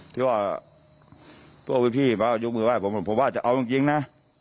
พี่บอกบ่อยพี่ยกมือบ้านผมผมว่าจะเอาจริงนะ